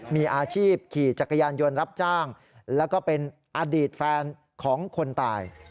มีอาชีพขี่จักรยานยนต์รับจ้างแล้วก็เป็นอดีตแฟนของคนตาย